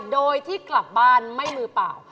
โดยที่กลับบ้านไม่มือเปล่า